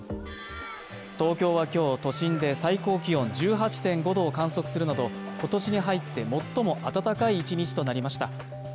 東京は今日、都心で最高気温１８．５度を観測するなど、今年に入って最も暖かい一日となりました。